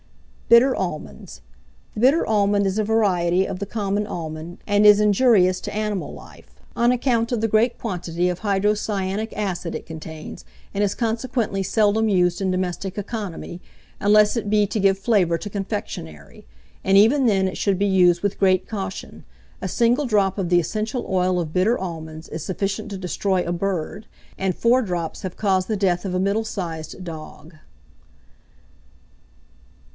BITTER ALMONDS. The Bitter Almond is a variety of the common almond, and is injurious to animal life, on account of the great quantity of hydrocyanic acid it contains, and is consequently seldom used in domestic economy, unless it be to give flavour to confectionery; and even then it should he used with great caution. A single drop of the essential oil of bitter almonds is sufficient to destroy a bird, and four drops have caused the death of a middle sized dog.